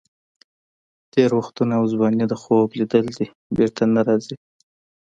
تېر وختونه او ځواني د خوب لیدل دي، بېرته نه راځي.